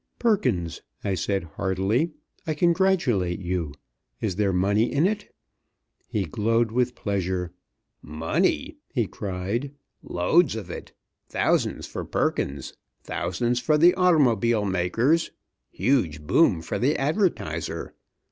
"Perkins," I said heartily, "I congratulate you. Is there money in it?" He glowed with pleasure. "Money?" he cried. "Loads of it. Thousands for Perkins thousands for the automobile makers huge boom for the advertiser!